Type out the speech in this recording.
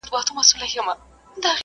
هلته پېغلکۍ د سړک غاړې ته وایلون وهي